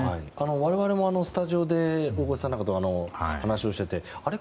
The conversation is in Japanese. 我々も、スタジオで大越さんなんかと話をしていてあれ？